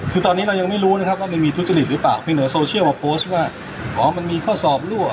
คือตอนนี้เรายังไม่รู้นะครับว่ามันมีทุจริตหรือเปล่ามีเหนือโซเชียลมาโพสต์ว่าอ๋อมันมีข้อสอบรั่ว